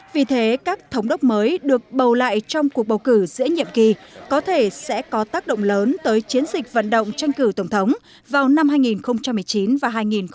vì thế các thống đốc mới được bầu lại trong cuộc bầu cử giữa nhiệm kỳ có thể sẽ có tác động lớn tới chiến dịch vận động tranh cử tổng thống vào năm hai nghìn một mươi chín và hai nghìn hai mươi